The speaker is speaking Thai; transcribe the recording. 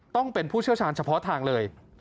ต้องเป็นผู้เชี่ยวชาญเฉพาะทางเลย